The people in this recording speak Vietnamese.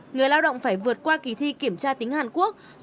người lao động phải vượt qua kỳ thi kiểm tra tính hàn quốc